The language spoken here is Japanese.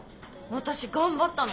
私頑張ったの。